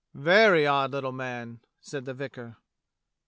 "Very odd little man," said the vicar.